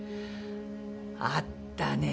あったね